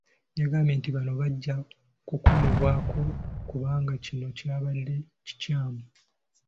Yagambye nti bano bajja kukolebweko kubanga kino kyabadde kikyamu.